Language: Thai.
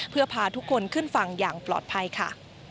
เพื่อพาทุกคนขึ้นฝั่งอย่างปลอดภัยค่ะ